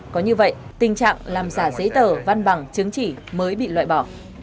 có như vậy tình trạng làm giả giấy tờ văn bằng chứng chỉ mới bị loại bỏ